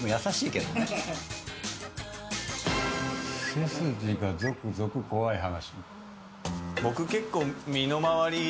背筋がゾクゾク怖い話。